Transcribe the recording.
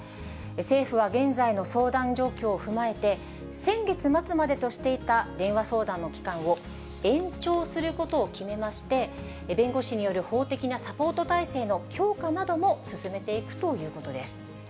政府は現在の相談状況を踏まえて、先月末までとしていた電話相談の期間を延長することを決めまして、弁護士による法的なサポート体制の強化なども進めていくということです。